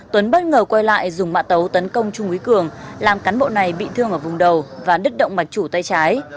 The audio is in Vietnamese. tuấn bất ngờ quay lại dùng mạ tấu tấn công trung úy cường làm cán bộ này bị thương ở vùng đầu và đứt động mặt chủ tay trái